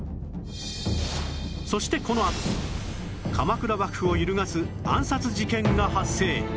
そしてこのあと鎌倉幕府を揺るがす暗殺事件が発生！